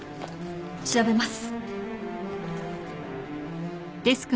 調べます。